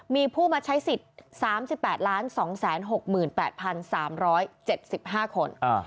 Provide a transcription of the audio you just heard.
มีผู้มาใช้สิทธิ์๓๘๒๖๘๓๗๕คน